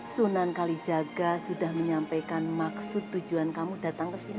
sunan kalijaga sudah menyampaikan maksud tujuan kamu datang ke sini